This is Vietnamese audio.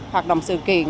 hoạt động sự kiện